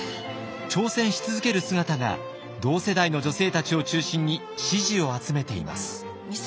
挑戦し続ける姿が同世代の女性たちを中心に支持を集めています。